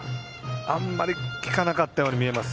あんまり効かなかったように見えます。